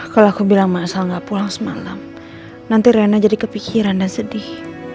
kalau aku bilang ma asal gak pulang semalam nanti reyna jadi kepikiran dan sedih